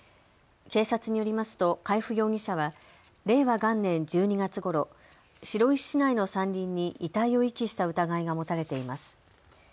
警察によりますと海部容疑者は令和元年１２月ごろ、白石市内の山林に遺体を遺棄した疑いが持たれています。